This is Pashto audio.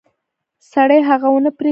سړي هغه ونه پرې کړه.